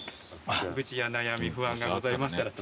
愚痴や悩み不安がございましたら。